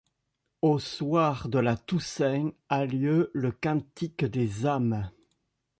Au soir de la Toussaint a lieu le Cantique des âmes.